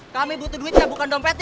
kami butuh duitnya bukan dompetnya